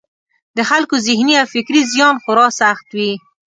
د خلکو ذهني او فکري زیان خورا سخت وي.